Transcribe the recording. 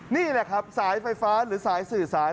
นี่แหละครับสายไฟฟ้าหรือสายสื่อสาร